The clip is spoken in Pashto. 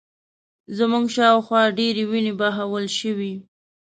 زموږ شا و خوا ډېرې وینې بهول شوې